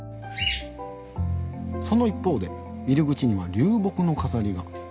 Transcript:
その一方で入り口には流木の飾りが。